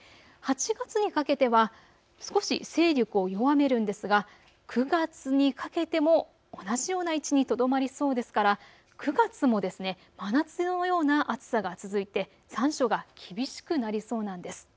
８月にかけては少し勢力を弱めるんですが、９月にかけても同じような位置にとどまりそうですから９月も真夏のような暑さが続いて残暑が厳しくなりそうなんです。